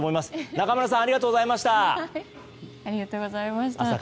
中丸さんありがとうございました。